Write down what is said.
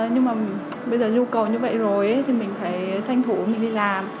nhưng mà bây giờ nhu cầu như vậy rồi thì mình phải tranh thủ mình đi làm